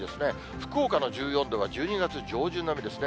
福岡の１４度は、１２月上旬並みですね。